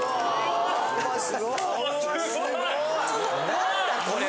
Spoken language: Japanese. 何だこれは？